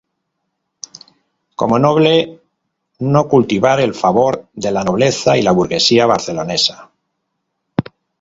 Como noble, no cultivar el favor de la nobleza y la burguesía barcelonesa.